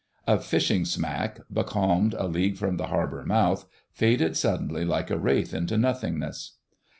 A fishing smack, becalmed a league from the harbour mouth, faded suddenly like a wraith into nothingness.